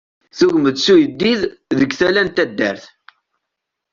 Tugem-d s uyeddid deg tala n taddart.